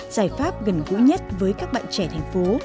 giải pháp gần gũi nhất với các bạn trẻ thành phố